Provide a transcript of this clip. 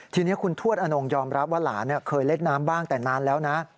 ทีนี้คุณทวดอนงยอมรับว่าหลานเคยเล่นน้ำบ้างแต่นานแล้วนะ